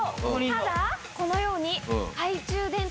ただこのように。